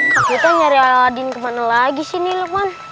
kak kita nyari aladin kemana lagi sih nih lukman